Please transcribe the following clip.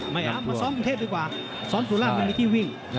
มาส้อมวนเทพที่ดีกว่าส้อนสุราชมันมีที่วิ่ง